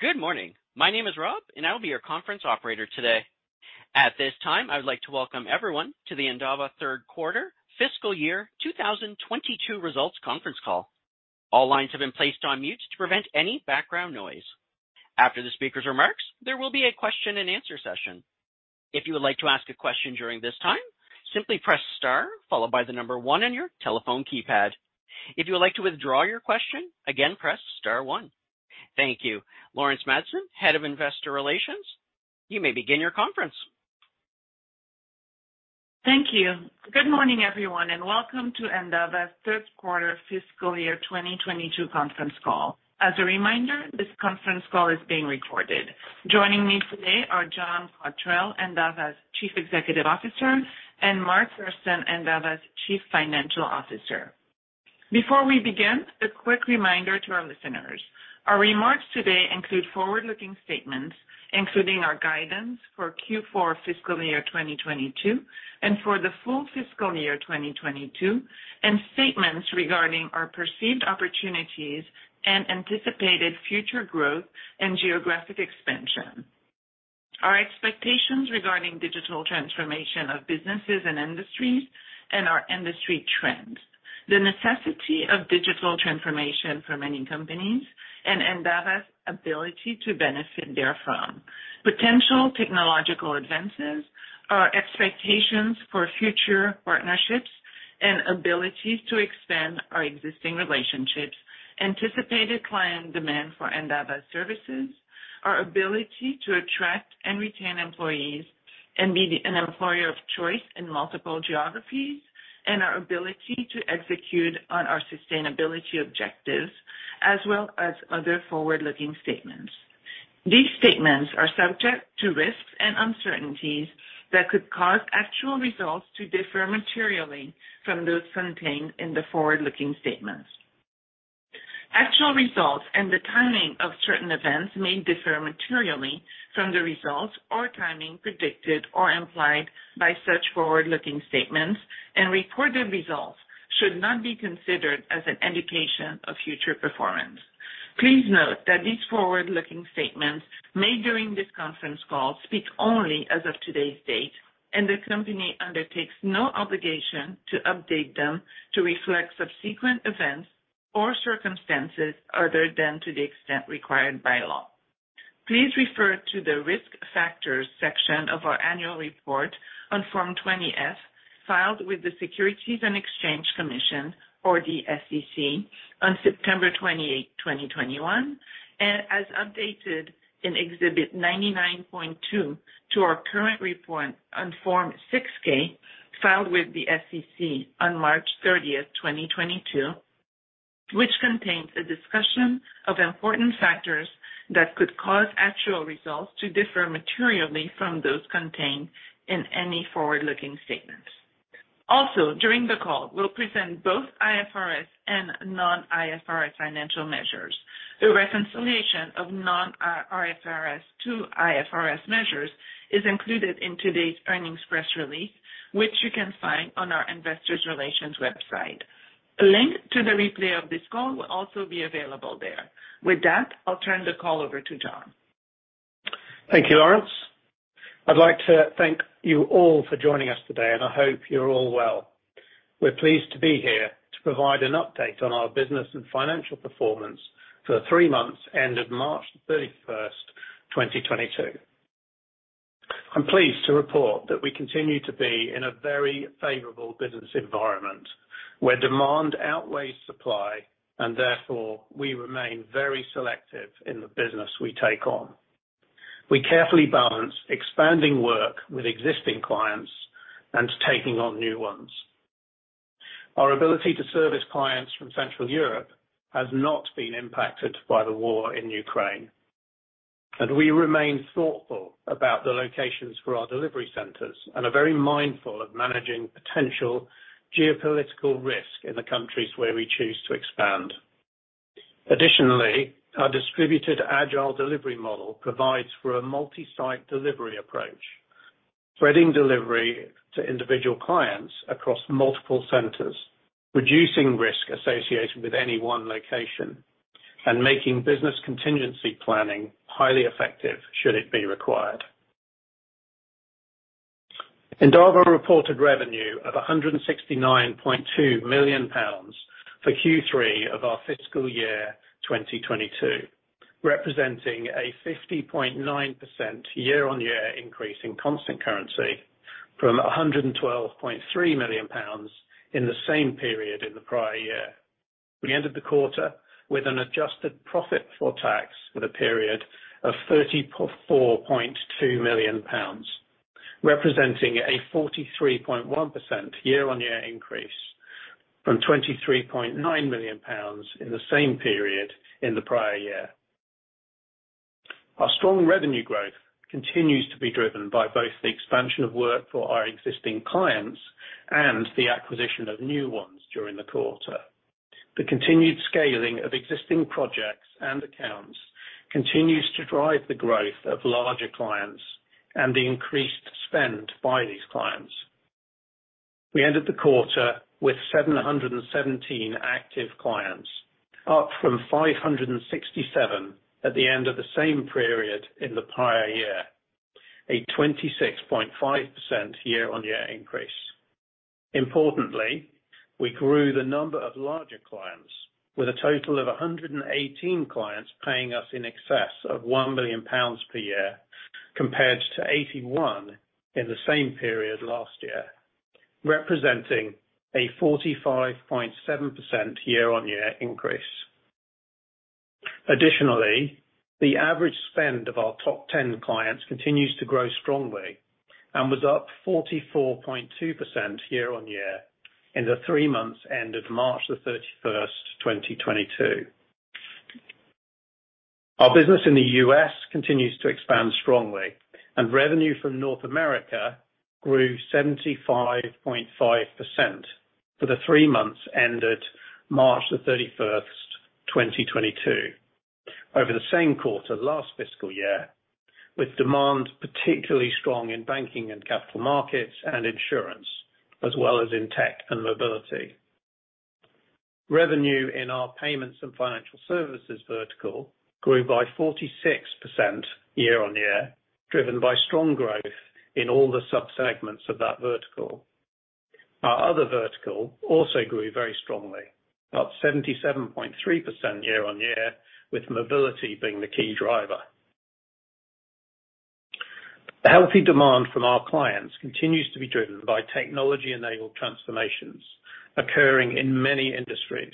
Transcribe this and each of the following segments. Good morning. My name is Rob, and I will be your conference operator today. At this time, I would like to Welcome everyone to the Endava Q3 Fiscal Year 2022 Results Conference Call. All lines have been placed on mute to prevent any background noise. After the speaker's remarks, there will be a question and answer session. If you would like to ask a question during this time, simply press star followed by the number one on your telephone keypad. If you would like to withdraw your question, again, press star one. Thank you. Laurence Madsen, Head of Investor Relations, you may begin your conference. Thank you. Good morning, everyone, and Welcome to Endava's Q3 Fiscal Year 2022 Conference Call. As a reminder, this conference call is being recorded. Joining me today are John Cotterell, Endava's Chief Executive Officer, and Mark Thurston, Endava's Chief Financial Officer. Before we begin, a quick reminder to our listeners. Our remarks today include forward-looking statements, including our guidance for Q4 fiscal year 2022 and for the full fiscal year 2022, and statements regarding our perceived opportunities and anticipated future growth and geographic expansion. Our expectations regarding digital transformation of businesses and industries and our industry trends, the necessity of digital transformation for many companies and Endava's ability to benefit therefrom, potential technological advances, our expectations for future partnerships and abilities to expand our existing relationships, anticipated client demand for Endava services, our ability to attract and retain employees and be an employer of choice in multiple geographies, and our ability to execute on our sustainability objectives, as well as other forward-looking statements. These statements are subject to risks and uncertainties that could cause actual results to differ materially from those contained in the forward-looking statements. Actual results and the timing of certain events may differ materially from the results or timing predicted or implied by such forward-looking statements, and reported results should not be considered as an indication of future performance. Please note that these forward-looking statements made during this conference call speak only as of today's date, and the company undertakes no obligation to update them to reflect subsequent events or circumstances other than to the extent required by law. Please refer to the Risk Factors section of our annual report on Form 20-F, filed with the Securities and Exchange Commission or the SEC on September 28, 2021, and as updated in Exhibit 99.2 to our current report on Form 6-K, filed with the SEC on March 30, 2022, which contains a discussion of important factors that could cause actual results to differ materially from those contained in any forward-looking statement. Also, during the call, we'll present both IFRS and non-IFRS financial measures. The reconciliation of non-IFRS to IFRS measures is included in today's earnings press release, which you can find on our investor relations website. A link to the replay of this call will also be available there. With that, I'll turn the call over to John Cotterell. Thank you, Laurence. I'd like to thank you all for joining us today, and I hope you're all well. We're pleased to be here to provide an update on our business and financial performance for the three months ended March 31, 2022. I'm pleased to report that we continue to be in a very favorable business environment, where demand outweighs supply, and therefore, we remain very selective in the business we take on. We carefully balance expanding work with existing clients and taking on new ones. Our ability to service clients from Central Europe has not been impacted by the war in Ukraine, and we remain thoughtful about the locations for our delivery centers and are very mindful of managing potential geopolitical risk in the countries where we choose to expand. Additionally, our distributed agile delivery model provides for a multi-site delivery approach, spreading delivery to individual clients across multiple centers, reducing risk associated with any one location, and making business contingency planning highly effective should it be required. Endava reported revenue of 169.2 million pounds for Q3 of our fiscal year 2022, representing a 50.9% year-on-year increase in constant currency from 112.3 million pounds in the same period in the prior year. We ended the quarter with an adjusted profit before tax for the period of 34.2 million pounds, representing a 43.1% year-on-year increase from 23.9 million pounds in the same period in the prior year. Our strong revenue growth continues to be driven by both the expansion of work for our existing clients and the acquisition of new ones during the quarter. The continued scaling of existing projects and accounts continues to drive the growth of larger clients and the increased spend by these clients. We ended the quarter with 717 active clients, up from 567 at the end of the same period in the prior year, a 26.5% year-on-year increase. Importantly, we grew the number of larger clients with a total of 118 clients paying us in excess of 1 million pounds per year compared to 81 in the same period last year, representing a 45.7% year-on-year increase. Additionally, the average spend of our top ten clients continues to grow strongly and was up 44.2% year-on-year in the three months ended March 31, 2022. Our business in the U.S. continues to expand strongly, and revenue from North America grew 75.5% for the three months ended March 31, 2022 over the same quarter last fiscal year, with demand particularly strong in banking and capital markets and insurance, as well as in tech and mobility. Revenue in our payments and financial services vertical grew by 46% year-on-year, driven by strong growth in all the sub-segments of that vertical. Our other vertical also grew very strongly, up 77.3% year-on-year, with mobility being the key driver. The healthy demand from our clients continues to be driven by technology-enabled transformations occurring in many industries,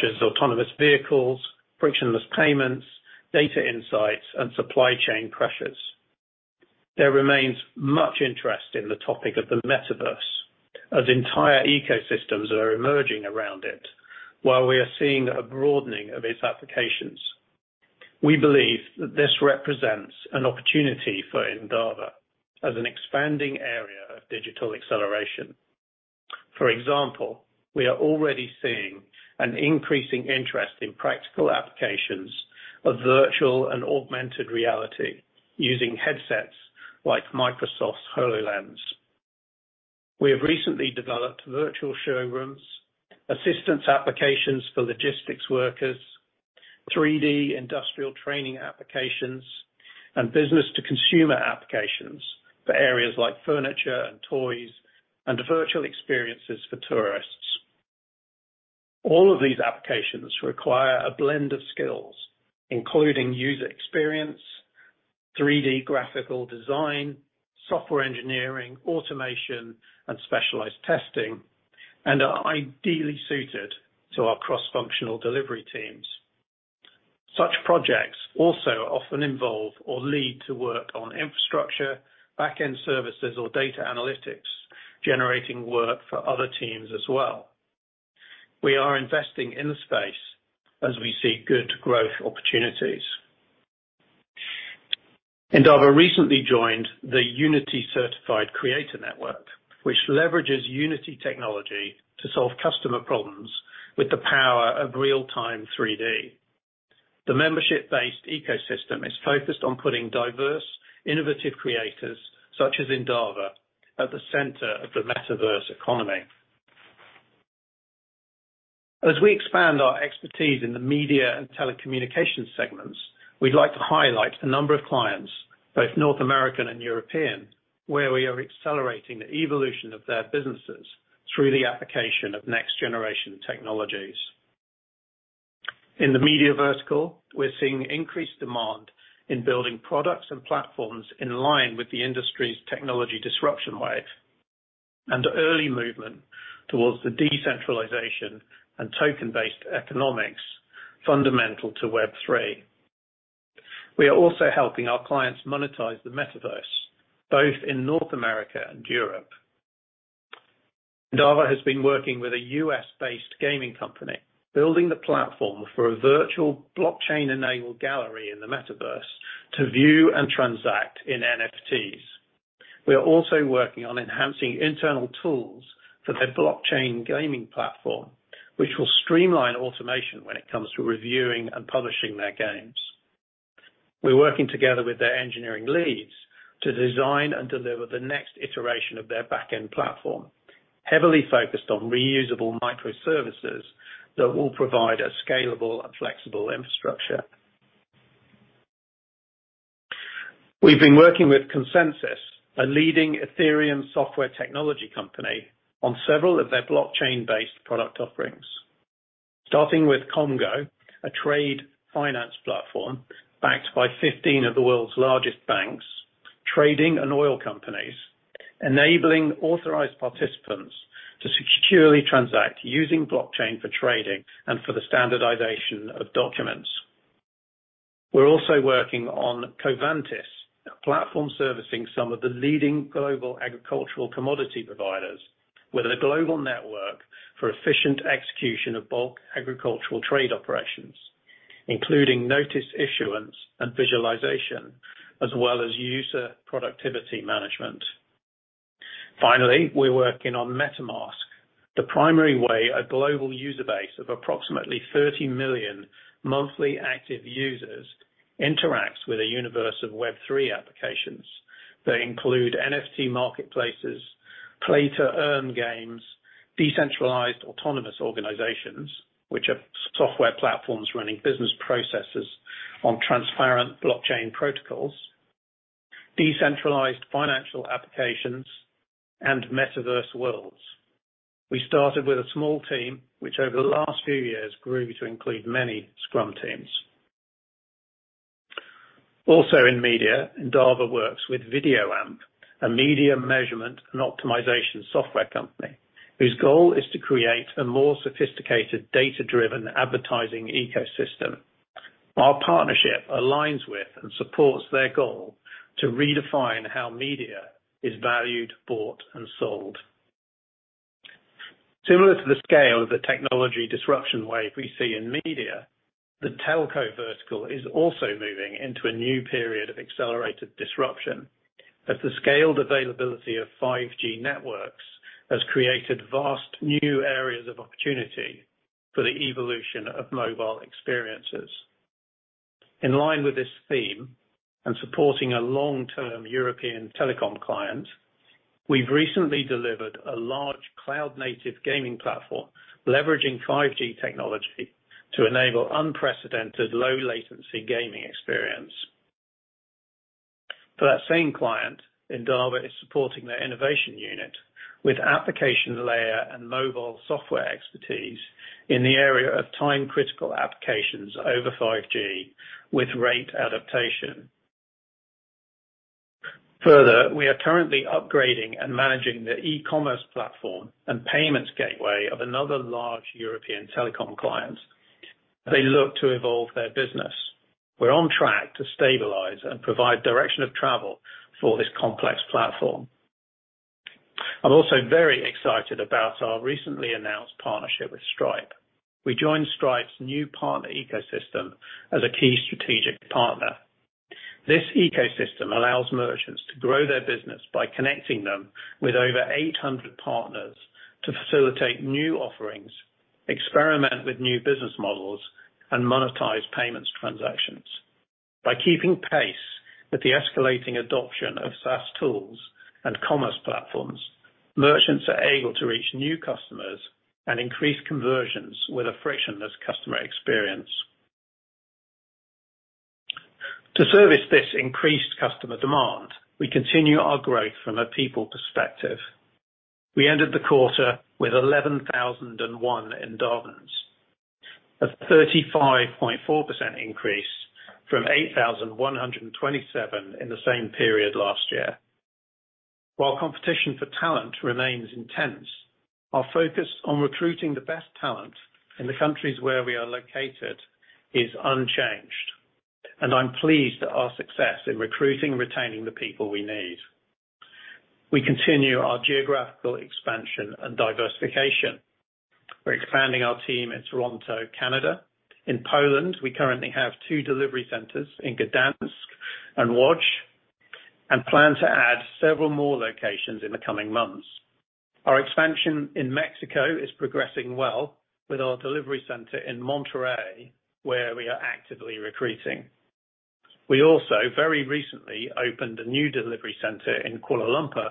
such as autonomous vehicles, frictionless payments, data insights, and supply chain pressures. There remains much interest in the topic of the metaverse as entire ecosystems are emerging around it while we are seeing a broadening of its applications. We believe that this represents an opportunity for Endava as an expanding area of digital acceleration. For example, we are already seeing an increasing interest in practical applications of virtual and augmented reality using headsets like Microsoft's HoloLens. We have recently developed virtual showrooms, assistance applications for logistics workers, 3D industrial training applications, and business to consumer applications for areas like furniture and toys, and virtual experiences for tourists. All of these applications require a blend of skills, including user experience, 3D graphical design, software engineering, automation, and specialized testing, and are ideally suited to our cross-functional delivery teams. Such projects also often involve or lead to work on infrastructure, back-end services, or data analytics, generating work for other teams as well. We are investing in the space as we see good growth opportunities. Endava recently joined the Unity Certified Creator Network, which leverages Unity technology to solve customer problems with the power of real-time 3D. The membership-based ecosystem is focused on putting diverse, innovative creators such as Endava at the center of the metaverse economy. As we expand our expertise in the media and telecommunications segments, we'd like to highlight a number of clients, both North American and European, where we are accelerating the evolution of their businesses through the application of next generation technologies. In the media vertical, we're seeing increased demand in building products and platforms in line with the industry's technology disruption wave and early movement towards the decentralization and token-based economics fundamental to Web3. We are also helping our clients monetize the metaverse, both in North America and Europe. Endava has been working with a U.S.-based gaming company, building the platform for a virtual blockchain-enabled gallery in the metaverse to view and transact in NFTs. We are also working on enhancing internal tools for their blockchain gaming platform, which will streamline automation when it comes to reviewing and publishing their games. We're working together with their engineering leads to design and deliver the next iteration of their back-end platform, heavily focused on reusable microservices that will provide a scalable and flexible infrastructure. We've been working with ConsenSys, a leading Ethereum software technology company, on several of their blockchain-based product offerings. Starting with komgo, a trade finance platform backed by 15 of the world's largest banks, trading and oil companies, enabling authorized participants to securely transact using blockchain for trading and for the standardization of documents. We're also working on Covantis, a platform servicing some of the leading global agricultural commodity providers with a global network for efficient execution of bulk agricultural trade operations, including notice issuance and visualization, as well as user productivity management. Finally, we're working on MetaMask. The primary way a global user base of approximately 30 million monthly active users interacts with a universe of Web3 applications. They include NFT marketplaces, play to earn games, decentralized autonomous organizations, which are software platforms running business processes on transparent blockchain protocols, decentralized financial applications, and metaverse worlds. We started with a small team, which over the last few years grew to include many scrum teams. Also in media, Endava works with VideoAmp, a media measurement and optimization software company, whose goal is to create a more sophisticated data-driven advertising ecosystem. Our partnership aligns with and supports their goal to redefine how media is valued, bought, and sold. Similar to the scale of the technology disruption wave we see in media, the telco vertical is also moving into a new period of accelerated disruption as the scaled availability of 5G networks has created vast new areas of opportunity for the evolution of mobile experiences. In line with this theme and supporting a long-term European telecom client, we've recently delivered a large cloud native gaming platform leveraging 5G technology to enable unprecedented low latency gaming experience. For that same client, Endava is supporting their innovation unit with application layer and mobile software expertise in the area of time-critical applications over 5G with rate adaptation. Further, we are currently upgrading and managing the e-commerce platform and payments gateway of another large European telecom client as they look to evolve their business. We're on track to stabilize and provide direction of travel for this complex platform. I'm also very excited about our recently announced partnership with Stripe. We joined Stripe's new partner ecosystem as a key strategic partner. This ecosystem allows merchants to grow their business by connecting them with over 800 partners to facilitate new offerings, experiment with new business models, and monetize payments transactions. By keeping pace with the escalating adoption of SaaS tools and commerce platforms, merchants are able to reach new customers and increase conversions with a frictionless customer experience. To service this increased customer demand, we continue our growth from a people perspective. We ended the quarter with 11,001 Endavans, a 35.4% increase from 8,127 in the same period last year. While competition for talent remains intense, our focus on recruiting the best talent in the countries where we are located is unchanged, and I'm pleased at our success in recruiting and retaining the people we need. We continue our geographical expansion and diversification. We're expanding our team in Toronto, Canada. In Poland, we currently have two delivery centers in Gdańsk and Łódź, and plan to add several more locations in the coming months. Our expansion in Mexico is progressing well with our delivery center in Monterrey, where we are actively recruiting. We also very recently opened a new delivery center in Kuala Lumpur,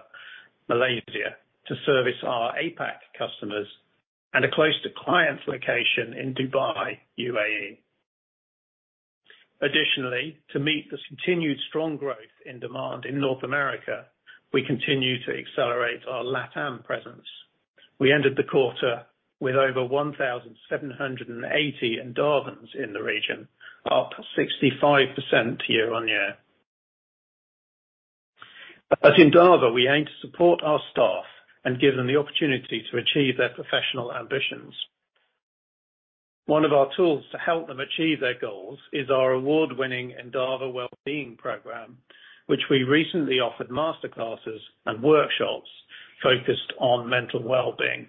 Malaysia, to service our APAC customers, and are close to clients' location in Dubai, UAE. Additionally, to meet this continued strong growth in demand in North America, we continue to accelerate our LATAM presence. We ended the quarter with over 1,780 Endavans in the region, up 65% year-on-year. At Endava, we aim to support our staff and give them the opportunity to achieve their professional ambitions. One of our tools to help them achieve their goals is our award-winning Endava Wellbeing program, which we recently offered master classes and workshops focused on mental well-being.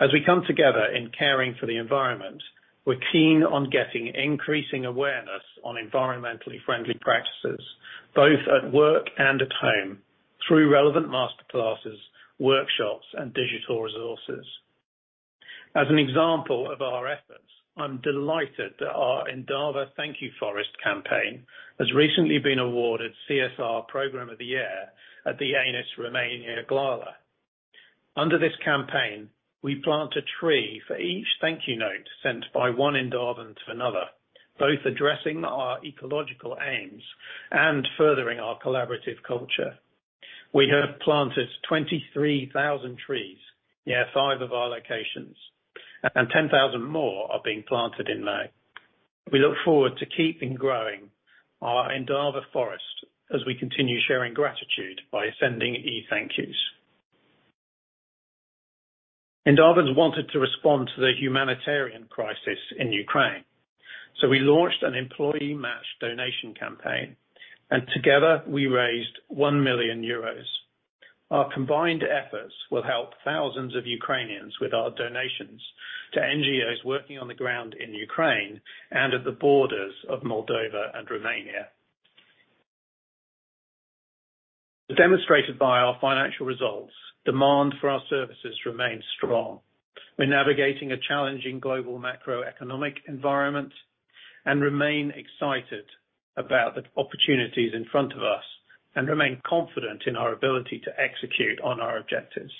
As we come together in caring for the environment, we're keen on getting increasing awareness on environmentally friendly practices, both at work and at home, through relevant master classes, workshops, and digital resources. As an example of our efforts, I'm delighted that our Endava Thank You Forest campaign has recently been awarded CSR Program of the Year at the ANIS Gala. Under this campaign, we plant a tree for each thank you note sent by one Endavan to another, both addressing our ecological aims and furthering our collaborative culture. We have planted 23,000 trees near five of our locations, and 10,000 more are being planted in May. We look forward to keeping growing our Endava forest as we continue sharing gratitude by sending e-thank yous. Endavans wanted to respond to the humanitarian crisis in Ukraine, so we launched an employee match donation campaign, and together we raised 1 million euros. Our combined efforts will help thousands of Ukrainians with our donations to NGOs working on the ground in Ukraine and at the borders of Moldova and Romania. Demonstrated by our financial results, demand for our services remains strong. We're navigating a challenging global macroeconomic environment and remain excited about the opportunities in front of us and remain confident in our ability to execute on our objectives.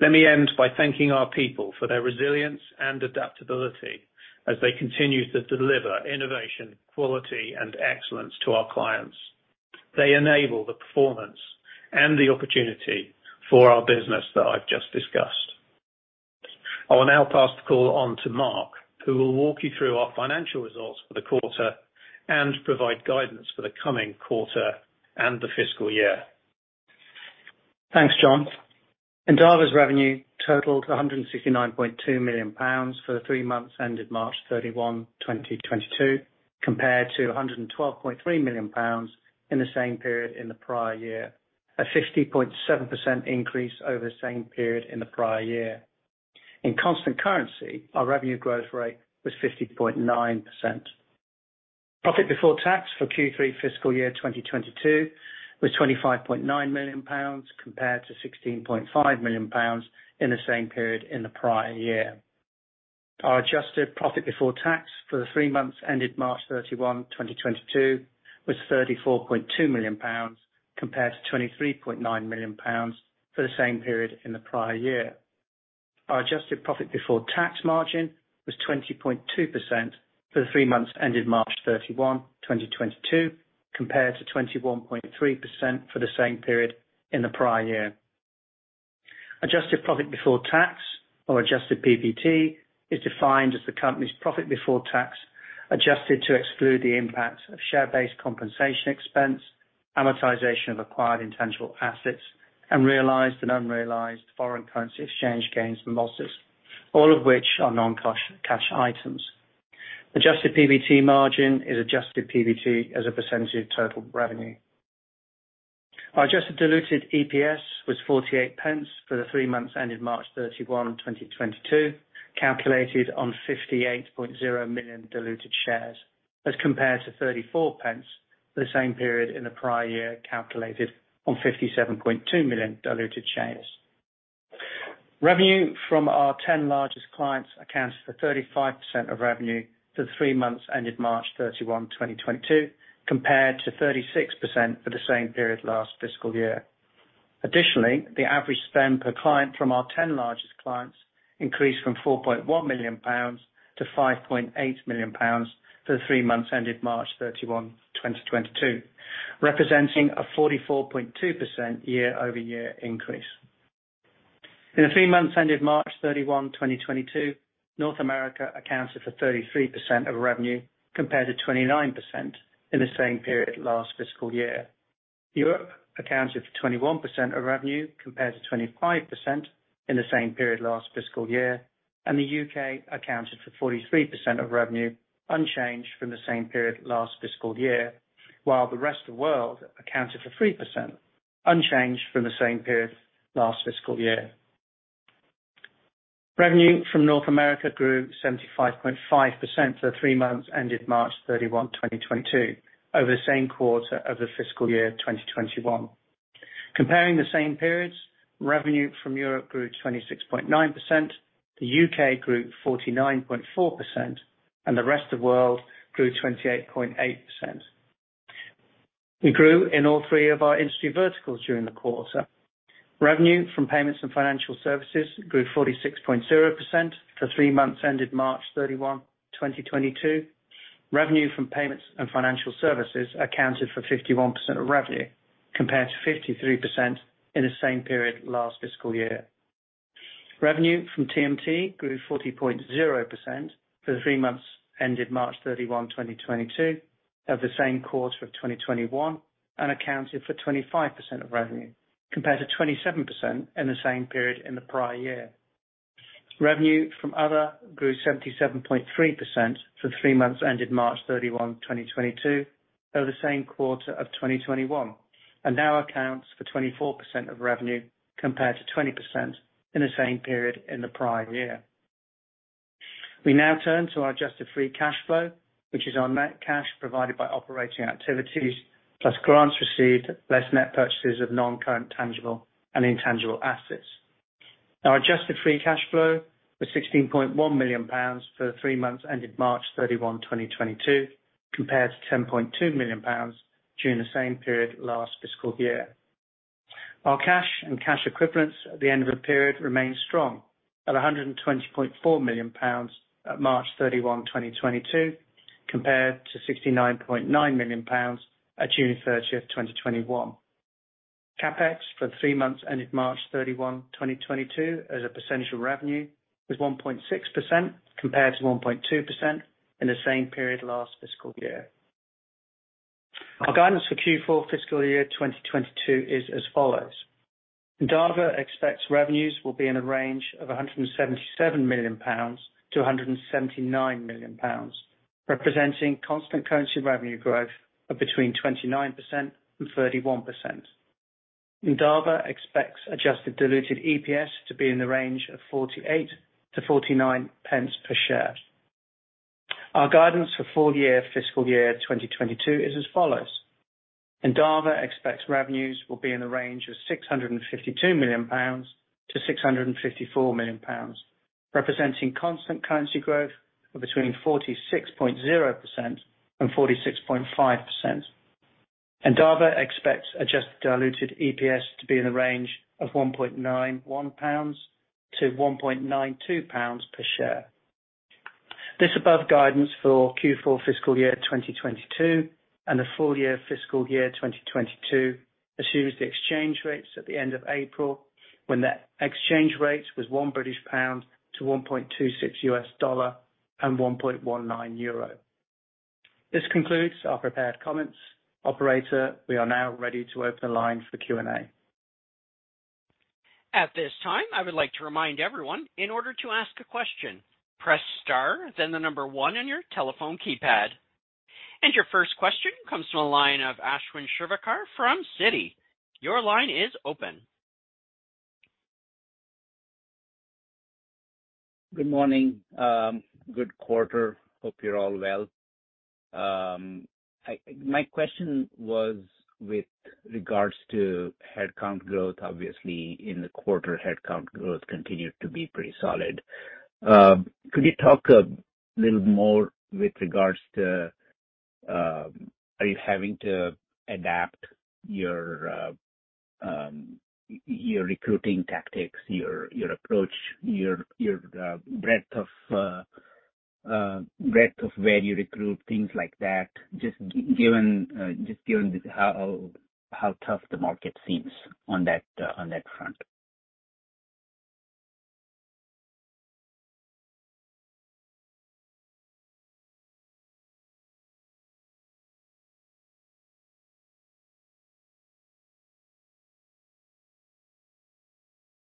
Let me end by thanking our people for their resilience and adaptability as they continue to deliver innovation, quality, and excellence to our clients. They enable the performance and the opportunity for our business that I've just discussed. I will now pass the call on to Mark, who will walk you through our financial results for the quarter and provide guidance for the coming quarter and the fiscal year. Thanks, John. Endava's revenue totaled 169.2 million pounds for the 3 months ended March 31, 2022, compared to 112.3 million pounds in the same period in the prior year. 50.7% increase over the same period in the prior year. In constant currency, our revenue growth rate was 50.9%. Profit before tax for Q3 fiscal year 2022 was 25.9 million pounds compared to 16.5 million pounds in the same period in the prior year. Our adjusted profit before tax for the 3 months ended March 31, 2022, was 34.2 million pounds, compared to 23.9 million pounds for the same period in the prior year. Our adjusted profit before tax margin was 20.2% for the three months ended March 31, 2022, compared to 21.3% for the same period in the prior year. Adjusted profit before tax or adjusted PBT is defined as the company's profit before tax, adjusted to exclude the impact of share-based compensation expense, amortization of acquired intangible assets, and realized and unrealized foreign currency exchange gains and losses, all of which are non-cash items. Adjusted PBT margin is adjusted PBT as a percentage of total revenue. Our adjusted diluted EPS was 0.48 for the three months ended March 31, 2022, calculated on 58.0 million diluted shares, as compared to 0.34 for the same period in the prior year, calculated on 57.2 million diluted shares. Revenue from our ten largest clients accounts for 35% of revenue for the three months ended March 31, 2022, compared to 36% for the same period last fiscal year. Additionally, the average spend per client from our ten largest clients increased from 4.1 million pounds to 5.8 million pounds for the three months ended March 31, 2022, representing a 44.2% year-over-year increase. In the three months ended March 31, 2022, North America accounted for 33% of revenue, compared to 29% in the same period last fiscal year. Europe accounted for 21% of revenue, compared to 25% in the same period last fiscal year, and the U.K. accounted for 43% of revenue, unchanged from the same period last fiscal year, while the rest of world accounted for 3%, unchanged from the same period last fiscal year. Revenue from North America grew 75.5% for the three months ended March 31, 2022, over the same quarter of the fiscal year of 2021. Comparing the same periods, revenue from Europe grew 26.9%, the U.K. grew 49.4%, and the rest of world grew 28.8%. We grew in all three of our industry verticals during the quarter. Revenue from payments and financial services grew 46.0% for three months, ended March 31, 2022. Revenue from payments and financial services accounted for 51% of revenue, compared to 53% in the same period last fiscal year. Revenue from TMT grew 40.0% for the three months ended March 31, 2022 of the same quarter of 2021, and accounted for 25% of revenue, compared to 27% in the same period in the prior year. Revenue from other grew 77.3% for three months, ended March 31, 2022, over the same quarter of 2021, and now accounts for 24% of revenue, compared to 20% in the same period in the prior year. We now turn to our adjusted free cash flow, which is our net cash provided by operating activities, plus grants received, less net purchases of non-current tangible and intangible assets. Our adjusted free cash flow was GBP 16.1 million for the three months ended March 31, 2022, compared to GBP 10.2 million during the same period last fiscal year. Our cash and cash equivalents at the end of the period remained strong at 120.4 million pounds at March 31, 2022, compared to 69.9 million pounds at June 30, 2021. CapEx for the three months ended March 31, 2022 as a percentage of revenue was 1.6%, compared to 1.2% in the same period last fiscal year. Our guidance for Q4 fiscal year 2022 is as follows. Endava expects revenues will be in a range of 177 million-179 million pounds, representing constant currency revenue growth of between 29% and 31%. Endava expects adjusted diluted EPS to be in the range of 48-49 pence per share. Our guidance for full year fiscal year 2022 is as follows. Endava expects revenues will be in the range of 652 million-654 million pounds, representing constant currency growth of between 46.0% and 46.5%. Endava expects adjusted diluted EPS to be in the range of 1.91-1.92 pounds per share. The above guidance for Q4 fiscal year 2022 and the full year fiscal year 2022 assumes the exchange rates at the end of April, when the exchange rate was one GBP to 1.26 $ and 1.19 euro. This concludes our prepared comments. Operator, we are now ready to open the line for Q&A. At this time, I would like to remind everyone, in order to ask a question, press Star, then the number One on your telephone keypad. Your first question comes from the line of Ashwin Shirvaikar from Citi. Your line is open. Good morning. Good quarter. Hope you're all well. My question was with regards to headcount growth. Obviously, in the quarter, headcount growth continued to be pretty solid. Could you talk a little more with regards to are you having to adapt your recruiting tactics, your breadth of where you recruit, things like that, just given how tough the market seems on that front.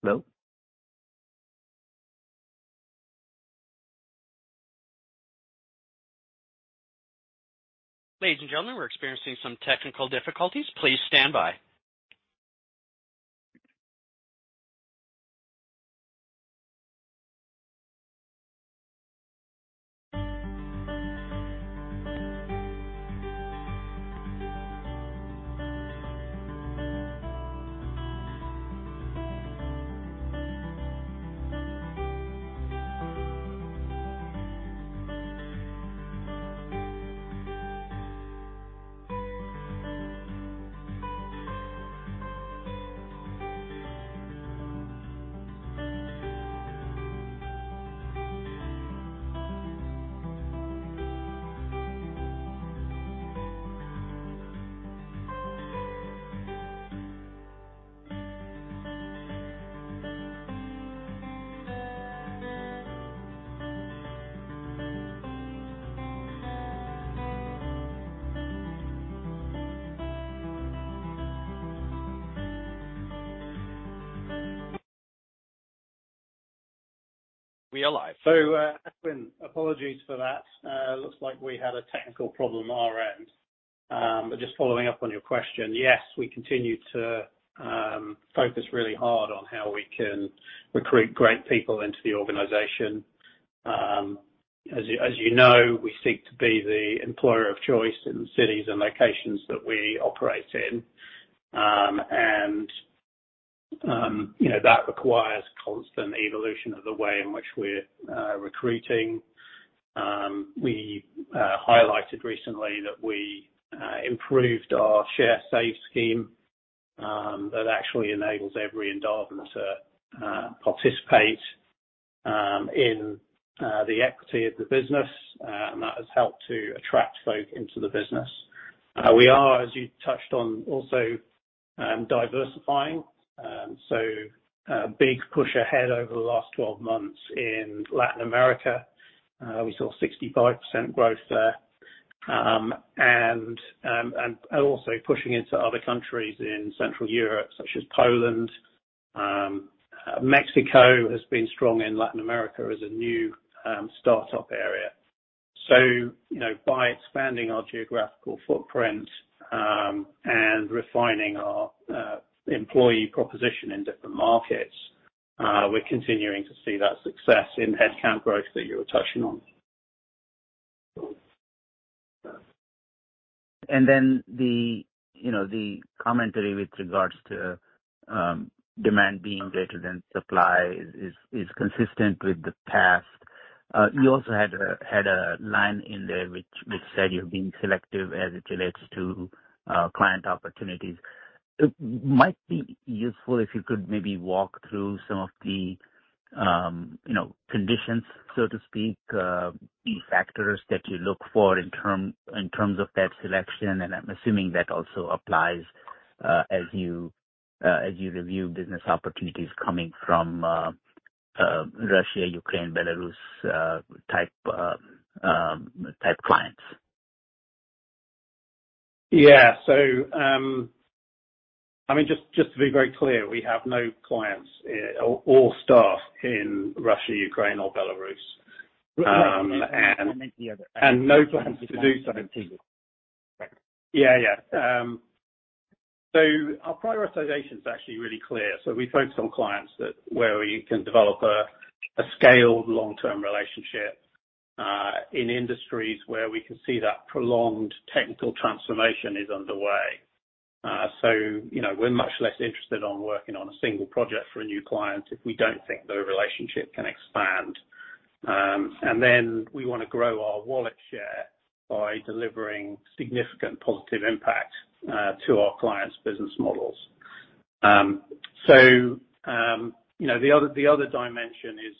Hello? Ladies and gentlemen, we're experiencing some technical difficulties. Please stand by. We are live. Ashwin, apologies for that. Looks like we had a technical problem on our end. Just following up on your question. Yes, we continue to focus really hard on how we can recruit great people into the organization. As you know, we seek to be the employer of choice in cities and locations that we operate in. You know, that requires constant evolution of the way in which we're recruiting. We highlighted recently that we improved our Sharesave scheme, that actually enables every Endavan to participate in the equity of the business. That has helped to attract folk into the business. We are, as you touched on, also diversifying. A big push ahead over the last 12 months in Latin America. We saw 65% growth there. We are also pushing into other countries in Central Europe, such as Poland. Mexico has been strong in Latin America as a new start up area. You know, by expanding our geographical footprint and refining our employee proposition in different markets, we're continuing to see that success in headcount growth that you were touching on. You know, the commentary with regards to demand being greater than supply is consistent with the past. You also had a line in there which said you're being selective as it relates to client opportunities. It might be useful if you could maybe walk through some of the, you know, conditions, so to speak, the factors that you look for in terms of that selection. I'm assuming that also applies as you review business opportunities coming from Russia, Ukraine, Belarus type clients. I mean, just to be very clear, we have no clients or staff in Russia, Ukraine or Belarus. No plans to do so. Our prioritization is actually really clear. We focus on clients where we can develop a scaled long-term relationship in industries where we can see that prolonged technical transformation is underway. You know, we're much less interested in working on a single project for a new client if we don't think the relationship can expand. We wanna grow our wallet share by delivering significant positive impact to our clients' business models. You know, the other dimension is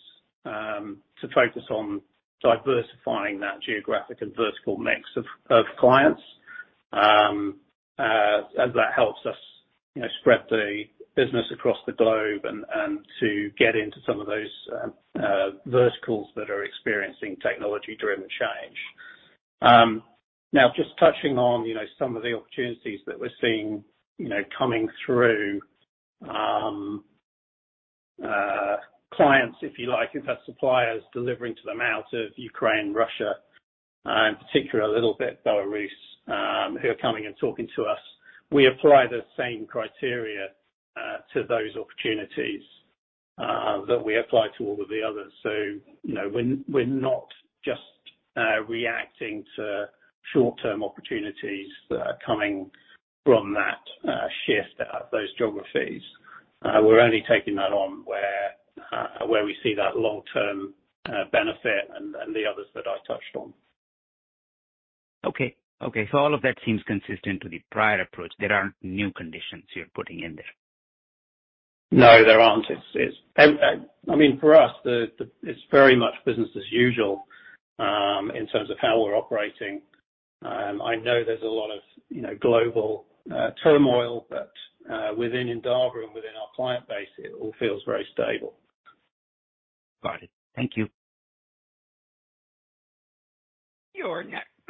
to focus on diversifying that geographic and vertical mix of clients. As that helps us, you know, spread the business across the globe and to get into some of those verticals that are experiencing technology-driven change. Now just touching on, you know, some of the opportunities that we're seeing, you know, coming through clients, if you like, who have suppliers delivering to them out of Ukraine, Russia, in particular, a little bit Belarus, who are coming and talking to us. We apply the same criteria to those opportunities that we apply to all of the others. You know, we're not just reacting to short-term opportunities that are coming from that shift out of those geographies. We're only taking that on where we see that long-term benefit and the others that I touched on. Okay. All of that seems consistent to the prior approach. There aren't new conditions you're putting in there? No, there aren't. It's I mean, for us, it's very much business as usual, in terms of how we're operating. I know there's a lot of, you know, global turmoil, but, within Endava and within our client base, it all feels very stable. Got it. Thank you.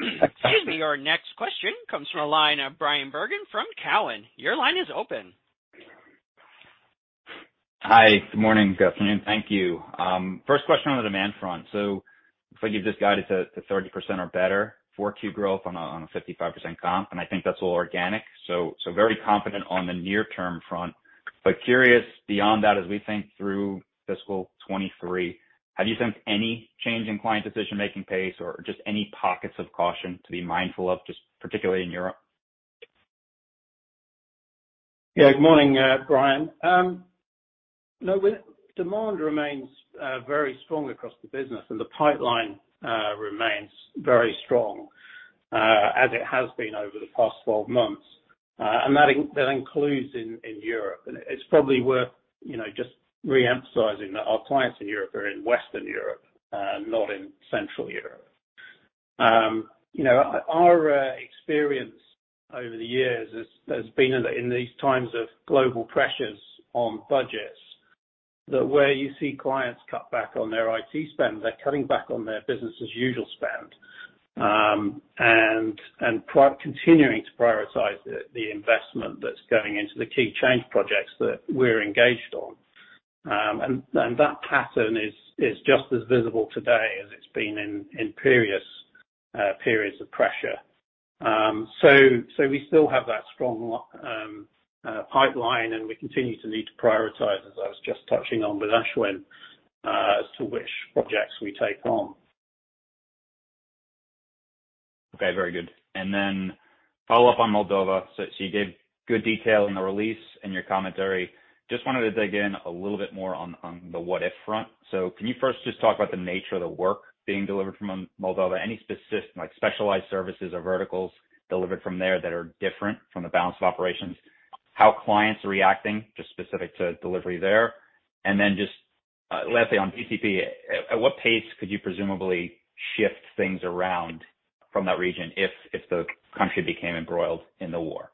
Excuse me. Your next question comes from a line of Bryan Bergin from Cowen. Your line is open. Hi. Good morning. Good afternoon. Thank you. First question on the demand front. If I give this guidance at 30% or better for Q growth on a 55% comp, and I think that's all organic, very confident on the near term front. Curious beyond that, as we think through fiscal 2023, have you sensed any change in client decision-making pace or just any pockets of caution to be mindful of, just particularly in Europe? Yeah. Good morning, Bryan. No, demand remains very strong across the business, and the pipeline remains very strong as it has been over the past 12 months. That includes in Europe. It's probably worth, you know, just re-emphasizing that our clients in Europe are in Western Europe, not in Central Europe. You know, our experience over the years has been in these times of global pressures on budgets, that where you see clients cut back on their IT spend, they're cutting back on their business as usual spend, continuing to prioritize the investment that's going into the key change projects that we're engaged on. That pattern is just as visible today as it's been in previous periods of pressure. We still have that strong pipeline, and we continue to need to prioritize, as I was just touching on with Ashwin, as to which projects we take on. Okay, very good. Then follow up on Moldova. You gave good detail in the release, in your commentary. Just wanted to dig in a little bit more on the what if front. Can you first just talk about the nature of the work being delivered from Moldova? Any like specialized services or verticals delivered from there that are different from the balance of operations? How clients are reacting just specific to delivery there. Then just lastly on BCP, at what pace could you presumably shift things around from that region if the country became embroiled in the war?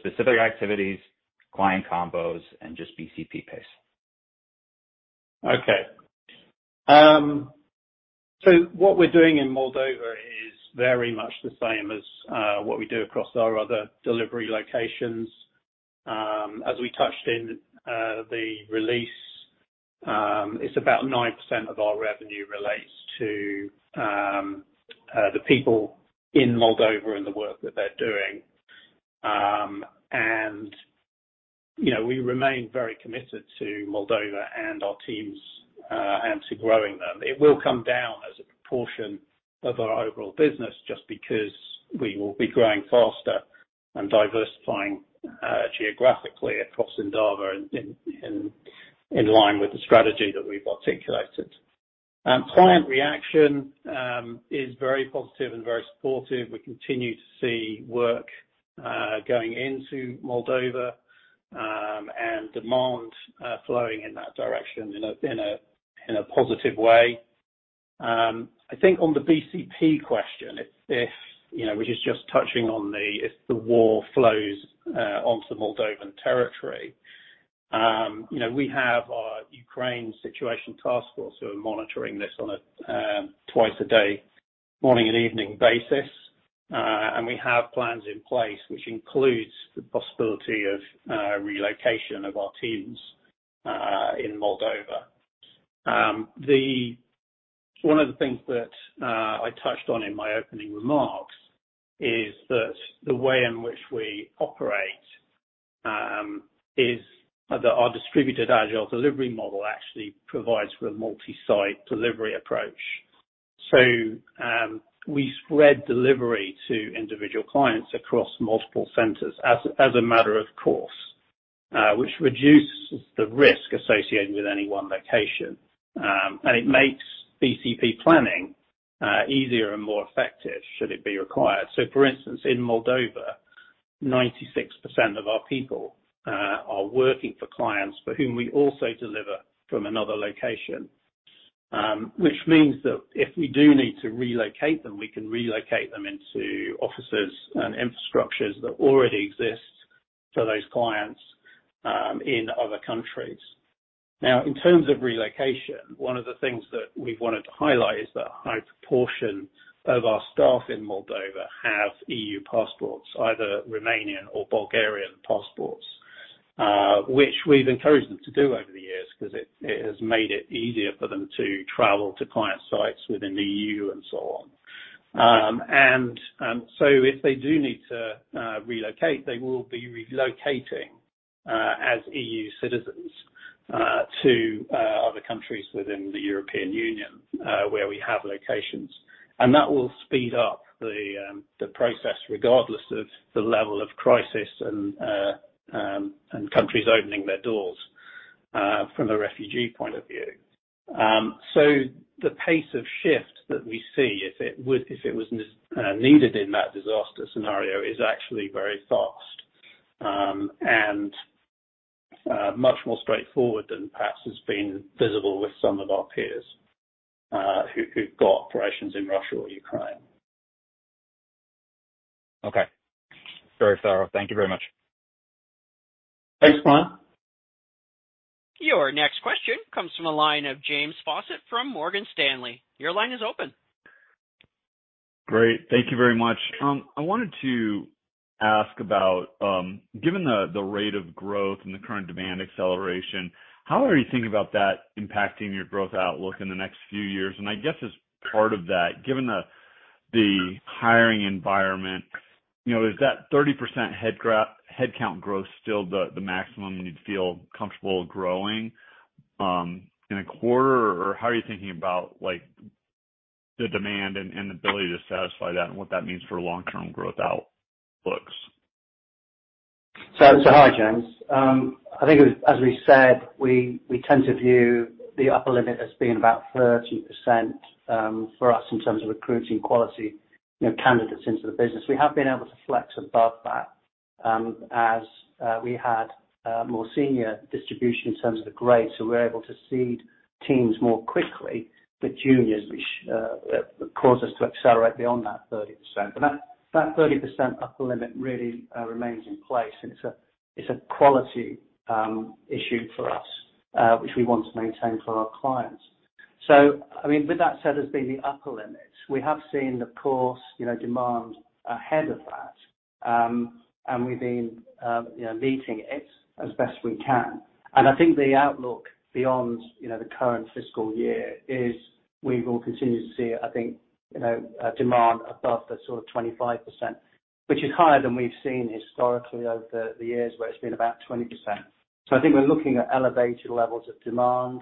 Specific activities, client comments, and just BCP pace. Okay. What we're doing in Moldova is very much the same as what we do across our other delivery locations. As we touched in the release, it's about 9% of our revenue relates to the people in Moldova and the work that they're doing. You know, we remain very committed to Moldova and our teams and to growing them. It will come down as a proportion of our overall business, just because we will be growing faster and diversifying geographically across Endava in line with the strategy that we've articulated. Client reaction is very positive and very supportive. We continue to see work going into Moldova and demand flowing in that direction in a positive way. I think on the BCP question, if you know, which is just touching on the if the war flows onto Moldovan territory, you know, we have our Ukraine situation task force who are monitoring this on a twice a day, morning and evening basis. We have plans in place which includes the possibility of relocation of our teams in Moldova. One of the things that I touched on in my opening remarks is that the way in which we operate is that our distributed agile delivery model actually provides for a multi-site delivery approach. We spread delivery to individual clients across multiple centers as a matter of course, which reduces the risk associated with any one location, and it makes BCP planning easier and more effective, should it be required. For instance, in Moldova, 96% of our people are working for clients for whom we also deliver from another location, which means that if we do need to relocate them, we can relocate them into offices and infrastructures that already exist for those clients in other countries. Now, in terms of relocation, one of the things that we've wanted to highlight is that a high proportion of our staff in Moldova have EU passports, either Romanian or Bulgarian passports, which we've encouraged them to do over the years because it has made it easier for them to travel to client sites within the EU and so on. If they do need to relocate, they will be relocating as EU citizens to other countries within the European Union where we have locations. That will speed up the process regardless of the level of crisis and countries opening their doors from a refugee point of view. The pace of shift that we see, if it was needed in that disaster scenario, is actually very fast and much more straightforward than perhaps has been visible with some of our peers who've got operations in Russia or Ukraine. Okay. Very thorough. Thank you very much. Thanks, Bryan. Your next question comes from the line of James Faucette from Morgan Stanley. Your line is open. Great. Thank you very much. I wanted to ask about, given the rate of growth and the current demand acceleration, how are you thinking about that impacting your growth outlook in the next few years? I guess as part of that, given the hiring environment, you know, is that 30% headcount growth still the maximum you'd feel comfortable growing in a quarter? Or how are you thinking about, like, the demand and ability to satisfy that and what that means for long-term growth outlooks? Hi, James. I think as we said, we tend to view the upper limit as being about 30% for us in terms of recruiting quality, you know, candidates into the business. We have been able to flex above that, as we had more senior distribution in terms of the grades, so we're able to seed teams more quickly with juniors which caused us to accelerate beyond that 30%. But that 30% upper limit really remains in place, and it's a quality issue for us which we want to maintain for our clients. I mean, with that said, as being the upper limit, we have seen, of course, you know, demand ahead of that, and we've been, you know, meeting it as best we can. I think the outlook beyond, you know, the current fiscal year is we will continue to see, I think, you know, demand above the sort of 25%, which is higher than we've seen historically over the years, where it's been about 20%. I think we're looking at elevated levels of demand,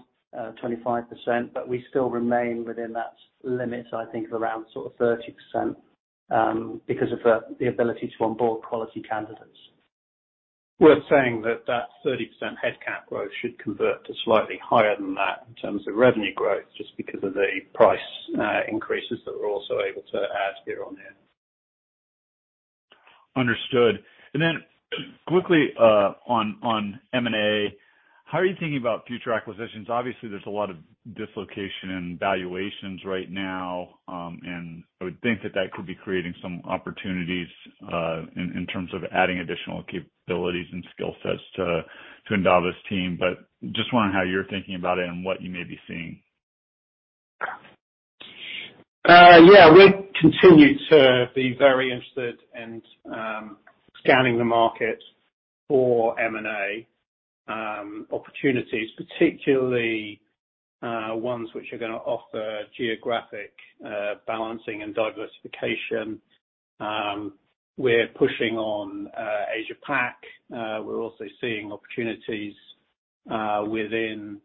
25%, but we still remain within that limit, I think, of around sort of 30%, because of the ability to onboard quality candidates. Worth saying that 30% headcount growth should convert to slightly higher than that in terms of revenue growth, just because of the price increases that we're also able to add here on in. Understood. Then quickly, on M&A, how are you thinking about future acquisitions? Obviously, there's a lot of dislocation in valuations right now, and I would think that that could be creating some opportunities, in terms of adding additional capabilities and skill sets to Endava's team. But just wondering how you're thinking about it and what you may be seeing. Yeah, we continue to be very interested in scanning the market for M&A opportunities, particularly ones which are gonna offer geographic balancing and diversification. We're pushing on Asia Pac. We're also seeing opportunities within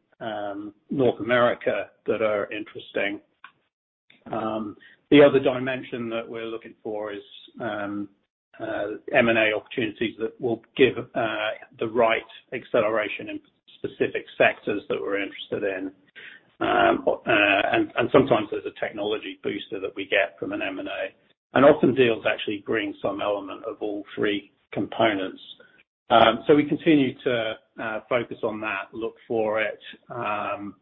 North America that are interesting. The other dimension that we're looking for is M&A opportunities that will give the right acceleration in specific sectors that we're interested in. Sometimes there's a technology booster that we get from an M&A. Often deals actually bring some element of all three components. We continue to focus on that, look for it. I'm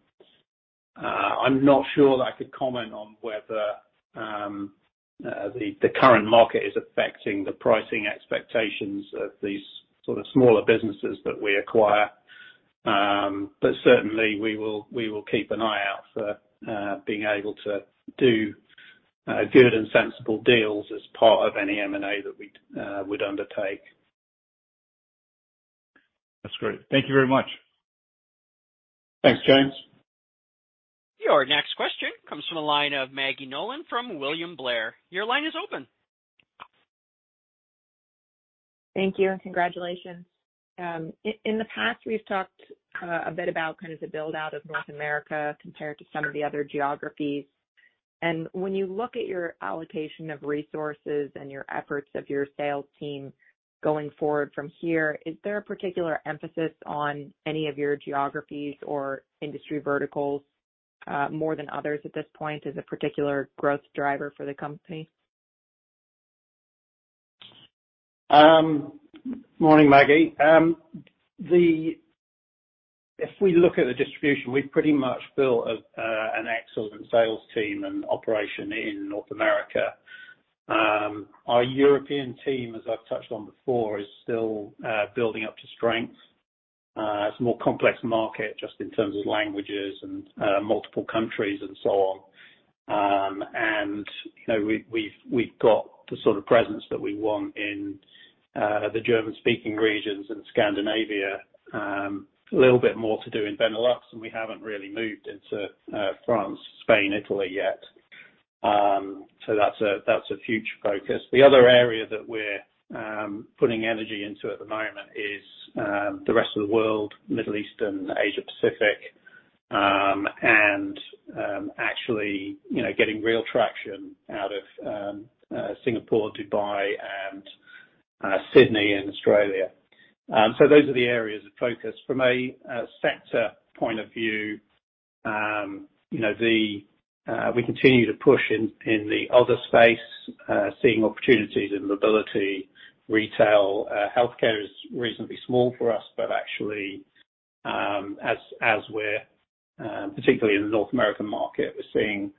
not sure that I could comment on whether the current market is affecting the pricing expectations of these sort of smaller businesses that we acquire. Certainly we will keep an eye out for being able to do good and sensible deals as part of any M&A that we'd undertake. That's great. Thank you very much. Thanks, James. Your next question comes from the line of Maggie Nolan from William Blair. Your line is open. Thank you, and congratulations. In the past, we've talked a bit about kind of the build out of North America compared to some of the other geographies. When you look at your allocation of resources and your efforts of your sales team going forward from here, is there a particular emphasis on any of your geographies or industry verticals more than others at this point as a particular growth driver for the company? Morning, Maggie. If we look at the distribution, we've pretty much built an excellent sales team and operation in North America. Our European team, as I've touched on before, is still building up to strength. It's a more complex market just in terms of languages and multiple countries and so on. You know, we've got the sort of presence that we want in the German-speaking regions and Scandinavia. A little bit more to do in Benelux, and we haven't really moved into France, Spain, Italy yet. That's a future focus. The other area that we're putting energy into at the moment is the rest of the world, Middle East and Asia Pacific, and actually, you know, getting real traction out of Singapore, Dubai and Sydney and Australia. Those are the areas of focus. From a sector point of view, you know, we continue to push in the other space, seeing opportunities in mobility, retail. Healthcare is reasonably small for us, but actually, as we're particularly in the North American market, we're seeing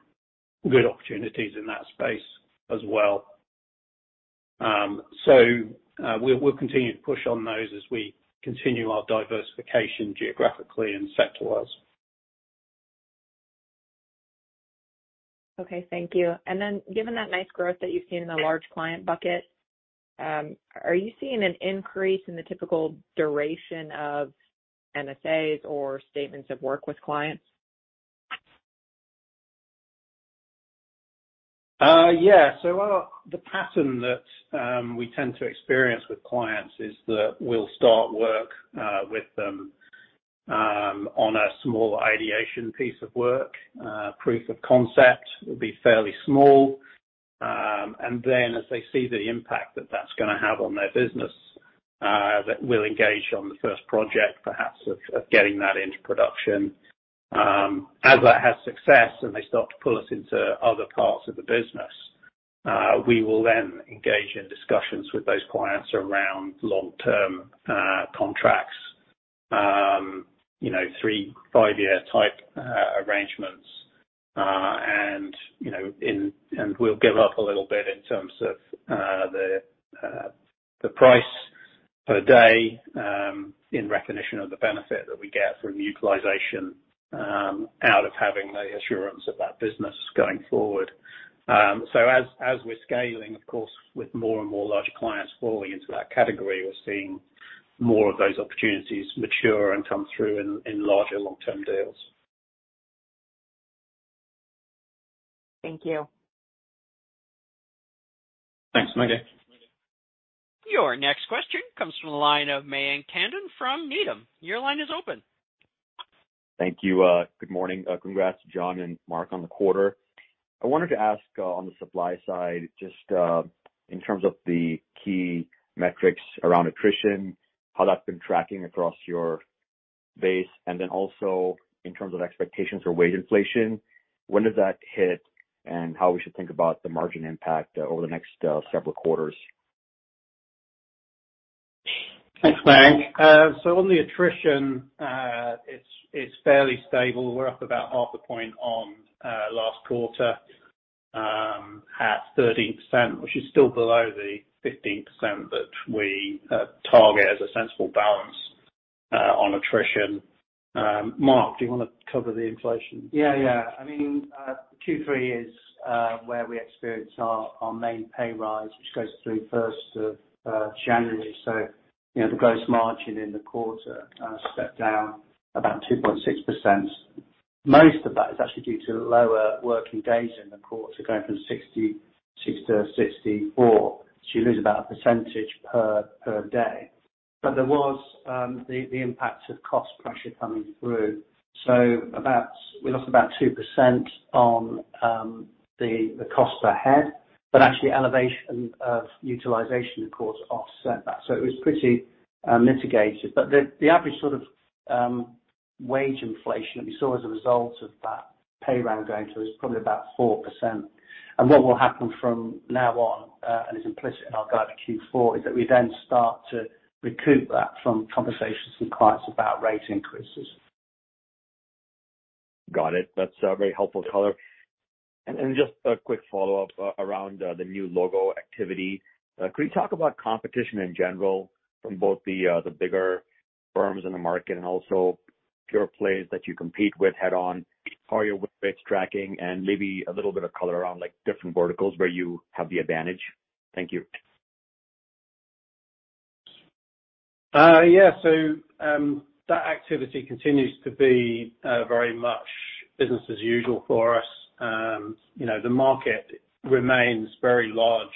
good opportunities in that space as well. We'll continue to push on those as we continue our diversification geographically and sector-wise. Okay. Thank you. Given that nice growth that you've seen in the large client bucket, are you seeing an increase in the typical duration of MSAs or statements of work with clients? The pattern that we tend to experience with clients is that we'll start work with them on a small ideation piece of work. Proof of concept will be fairly small. Then as they see the impact that that's gonna have on their business, that we'll engage on the first project, perhaps of getting that into production. As that has success and they start to pull us into other parts of the business, we will then engage in discussions with those clients around long-term contracts, you know, three, five-year type arrangements, and you know, we'll give up a little bit in terms of the price per day in recognition of the benefit that we get from the utilization out of having the assurance of that business going forward. As we're scaling, of course, with more and more larger clients falling into that category, we're seeing more of those opportunities mature and come through in larger long-term deals. Thank you. Thanks, Maggie. Your next question comes from the line of Mayank Tandon from Needham. Your line is open. Thank you. Good morning. Congrats to John and Mark on the quarter. I wanted to ask, on the supply side, just, in terms of the key metrics around attrition, how that's been tracking across your base, and then also in terms of expectations for wage inflation, when does that hit and how we should think about the margin impact over the next, several quarters? Thanks, Mayank. On the attrition, it's fairly stable. We're up about half a point on last quarter at 13%, which is still below the 15% that we target as a sensible balance on attrition. Mark, do you wanna cover the inflation? Yeah, yeah. I mean, Q3 is where we experience our main pay raise, which goes through first of January. You know, the gross margin in the quarter stepped down about 2.6%. Most of that is actually due to lower working days in the quarter, going from 66 to 64. You lose about 1% per day. There was the impact of cost pressure coming through. We lost about 2% on the cost per head, but actually elevation of utilization, of course, offset that. It was pretty mitigated. The average sort of wage inflation that we saw as a result of that pay raise going through is probably about 4%. What will happen from now on, and is implicit in our guide to Q4, is that we then start to recoup that from conversations with clients about rate increases. Got it. That's a very helpful color. Just a quick follow-up around the new logo activity. Can you talk about competition in general from both the bigger firms in the market and also pure plays that you compete with head on? How are your win rates tracking? Maybe a little bit of color around, like, different verticals where you have the advantage. Thank you. Yeah. That activity continues to be very much business as usual for us. You know, the market remains very large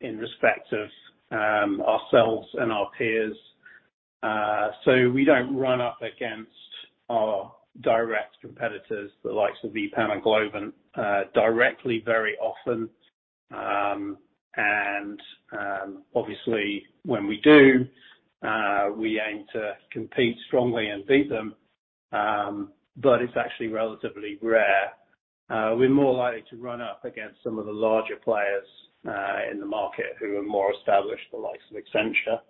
in respect of ourselves and our peers. We don't run up against our direct competitors, the likes of EPAM and Globant, directly very often. Obviously when we do, we aim to compete strongly and beat them, but it's actually relatively rare. We're more likely to run up against some of the larger players in the market who are more established, the likes of Accenture,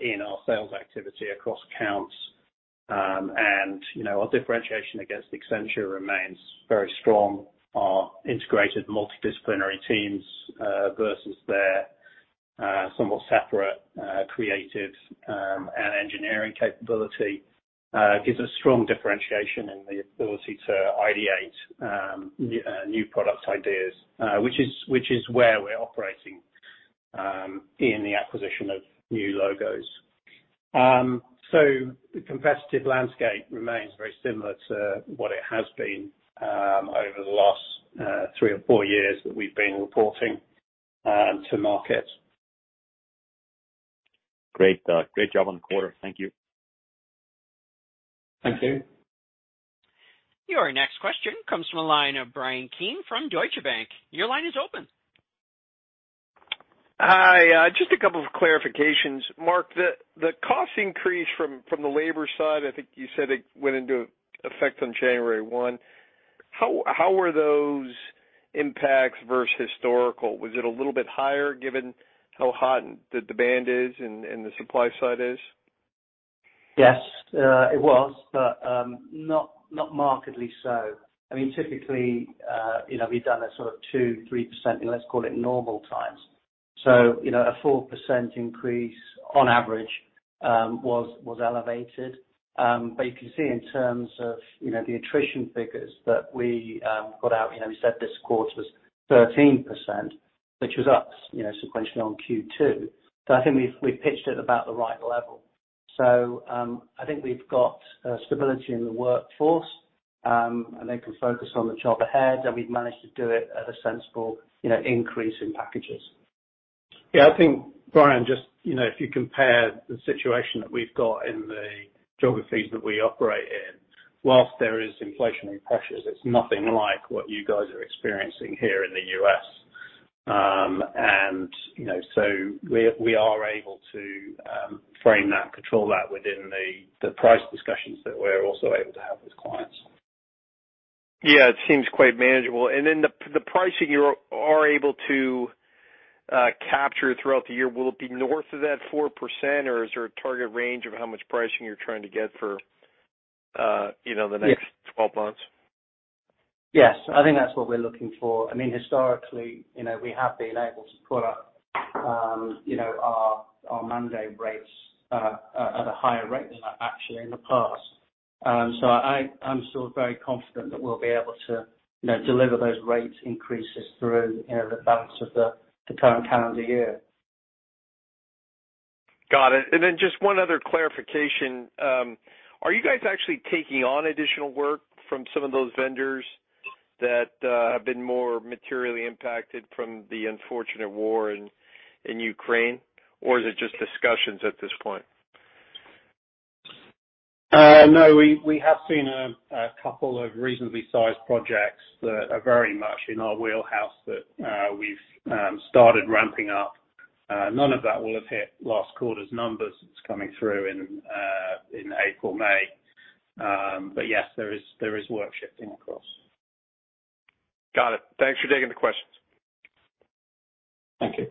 in our sales activity across accounts. You know, our differentiation against Accenture remains very strong. Our integrated multidisciplinary teams versus their somewhat separate creative and engineering capability gives a strong differentiation and the ability to ideate new products ideas which is where we're operating in the acquisition of new logos. The competitive landscape remains very similar to what it has been over the last three or four years that we've been reporting to market. Great. Great job on the quarter. Thank you. Thank you. Your next question comes from a line of Bryan Keane from Deutsche Bank. Your line is open. Hi. Just a couple of clarifications. Mark, the cost increase from the labor side, I think you said it went into effect on January 1. How were those impacts versus historical? Was it a little bit higher given how hot the demand is and the supply side is? Yes. It was, but not markedly so. I mean, typically, you know, we've done a sort of 2%-3% in, let's call it normal times. You know, a 4% increase on average was elevated. You can see in terms of, you know, the attrition figures that we got out, you know, we said this quarter was 13%, which was up, you know, sequentially on Q2. I think we've pitched at about the right level. I think we've got stability in the workforce, and they can focus on the job ahead, and we've managed to do it at a sensible, you know, increase in packages. Yeah. I think, Brian, just, you know, if you compare the situation that we've got in the geographies that we operate in, whilst there is inflationary pressures, it's nothing like what you guys are experiencing here in the U.S. We are able to frame that, control that within the price discussions that we're also able to have with clients. Yeah. It seems quite manageable. Then the pricing you are able to capture throughout the year, will it be north of that 4%, or is there a target range of how much pricing you're trying to get for, you know, the next- Yes. 12 months? Yes. I think that's what we're looking for. I mean, historically, you know, we have been able to put up you know our mandate rates at a higher rate than that actually in the past. I'm still very confident that we'll be able to you know deliver those rates increases through you know the balance of the current calendar year. Got it. Just one other clarification. Are you guys actually taking on additional work from some of those vendors that have been more materially impacted from the unfortunate war in Ukraine, or is it just discussions at this point? No. We have seen a couple of reasonably sized projects that are very much in our wheelhouse that we've started ramping up. None of that will have hit last quarter's numbers. It's coming through in April, May. Yes, there is work shifting across. Got it. Thanks for taking the questions. Thank you.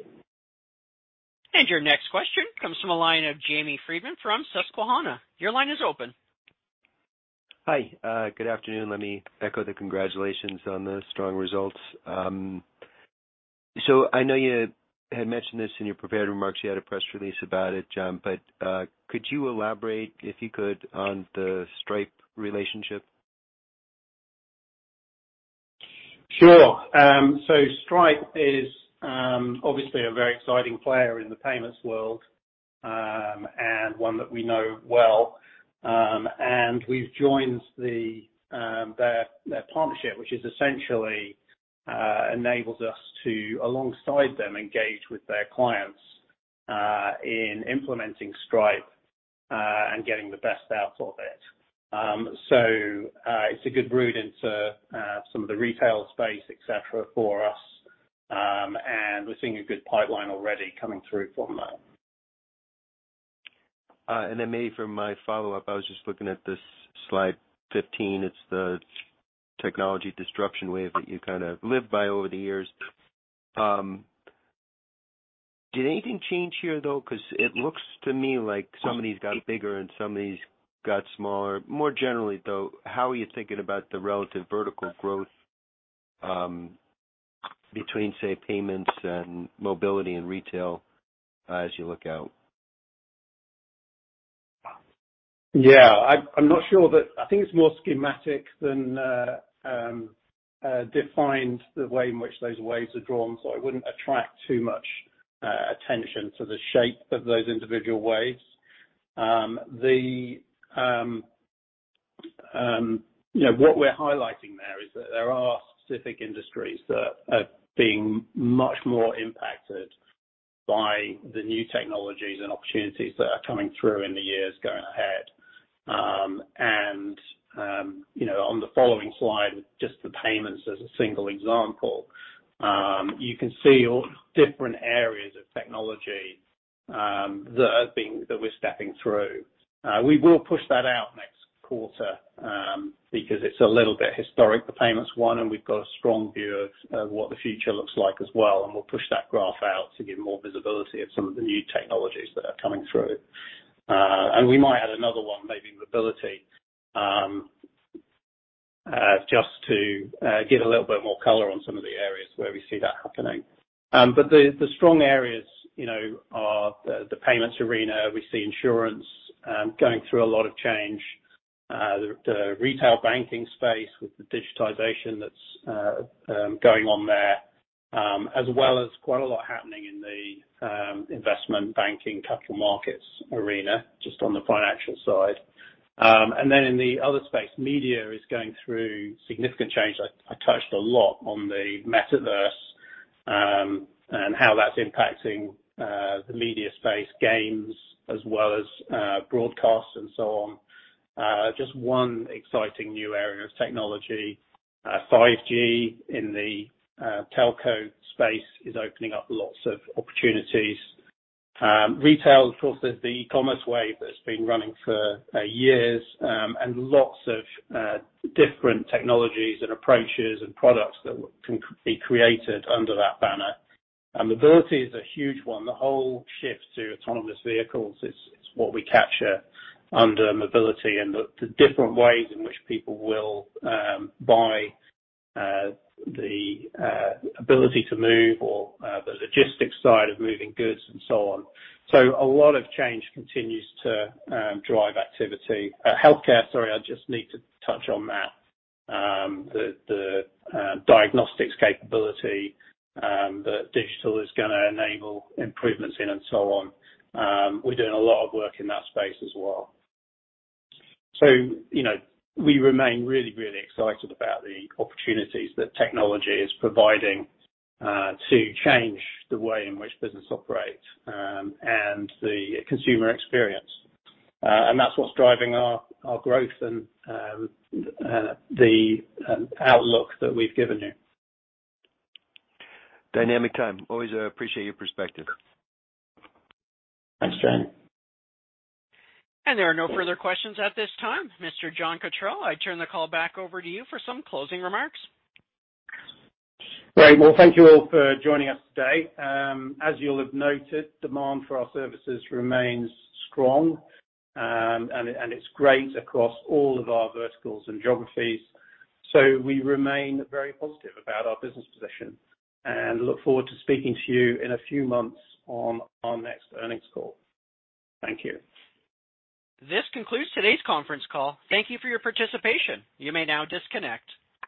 Your next question comes from a line of Jamie Friedman from Susquehanna. Your line is open. Hi. Good afternoon. Let me echo the congratulations on the strong results. I know you had mentioned this in your prepared remarks. You had a press release about it, John, but could you elaborate, if you could, on the Stripe relationship? Sure. Stripe is obviously a very exciting player in the payments world, and one that we know well. We've joined their partnership, which essentially enables us to, alongside them, engage with their clients in implementing Stripe and getting the best out of it. It's a good route into some of the retail space, et cetera, for us. We're seeing a good pipeline already coming through from that. Maybe for my follow-up, I was just looking at this slide 15. It's the technology disruption wave that you kind of live by over the years. Did anything change here, though? Because it looks to me like some of these got bigger and some of these got smaller. More generally, though, how are you thinking about the relative vertical growth between, say, payments and mobility and retail as you look out? Yeah, I'm not sure that I think it's more schematic than defined the way in which those waves are drawn, so I wouldn't attract too much attention to the shape of those individual waves. You know, what we're highlighting there is that there are specific industries that are being much more impacted by the new technologies and opportunities that are coming through in the years going ahead. You know, on the following slide, just the payments as a single example, you can see all different areas of technology that we're stepping through. We will push that out next quarter, because it's a little bit historic, the payments one, and we've got a strong view of what the future looks like as well, and we'll push that graph out to give more visibility of some of the new technologies that are coming through. We might add another one, maybe mobility, just to give a little bit more color on some of the areas where we see that happening. The strong areas, you know, are the payments arena. We see insurance going through a lot of change, the retail banking space with the digitization that's going on there, as well as quite a lot happening in the investment banking capital markets arena, just on the financial side. In the other space, media is going through significant change. I touched a lot on the metaverse and how that's impacting the media space, games, as well as broadcasts and so on. Just one exciting new area of technology, 5G in the telco space is opening up lots of opportunities. Retail, of course, there's the e-commerce wave that's been running for years and lots of different technologies and approaches and products that can be created under that banner. Mobility is a huge one. The whole shift to autonomous vehicles is what we capture under mobility and the different ways in which people will buy the ability to move or the logistics side of moving goods and so on. A lot of change continues to drive activity. Healthcare, sorry, I just need to touch on that. The diagnostics capability that digital is gonna enable improvements in and so on. We're doing a lot of work in that space as well. You know, we remain really excited about the opportunities that technology is providing to change the way in which business operates and the consumer experience. That's what's driving our growth and the outlook that we've given you. Dynamic time. Always appreciate your perspective. Thanks, Jamie. There are no further questions at this time. Mr. John Cotterell, I turn the call back over to you for some closing remarks. Great. Well, thank you all for joining us today. As you'll have noted, demand for our services remains strong, and it's great across all of our verticals and geographies. We remain very positive about our business position, and look forward to speaking to you in a few months on our next earnings call. Thank you. This concludes today's conference call. Thank you for your participation. You may now disconnect.